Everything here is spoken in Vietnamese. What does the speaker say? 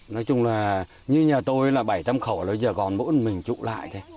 nói chung là như nhà tôi là bảy tăm khẩu rồi giờ còn mỗi mình trụ lại thế